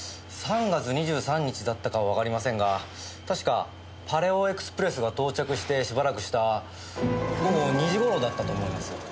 ３月２３日だったかはわかりませんが確かパレオエクスプレスが到着してしばらくした午後２時頃だったと思います。